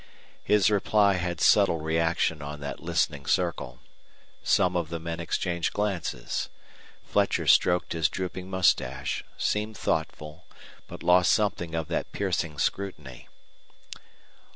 His reply had subtle reaction on that listening circle. Some of the men exchanged glances. Fletcher stroked his drooping mustache, seemed thoughtful, but lost something of that piercing scrutiny.